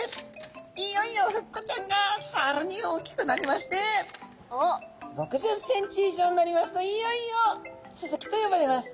いよいよフッコちゃんがさらに大きくなりまして６０センチ以上になりますといよいよスズキと呼ばれます。